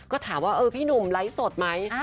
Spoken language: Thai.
ก็ถามว่าพี่หนุ่มไลฟ์สดไหม